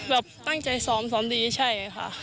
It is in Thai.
แบบตั้งใจซ้อมซ้อมดีใช่ค่ะ